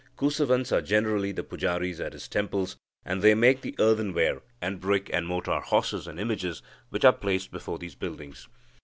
Kusavans are generally the pujaris at his temples, and they make the earthenware, and brick and mortar horses and images, which are placed before these buildings.